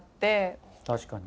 確かに。